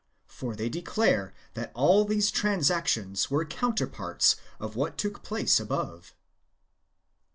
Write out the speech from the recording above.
For they declare that all these transactions were counterparts of what took place above.